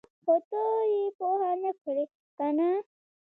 ـ خو ته یې پوهه نه کړې کنه!